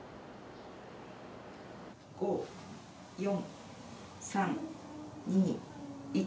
５４３２１。